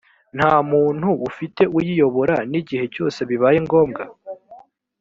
nta muntu ufite uyiyobora n’igihe cyose bibaye ngombwa